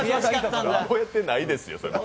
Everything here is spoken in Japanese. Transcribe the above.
覚えてないですよ。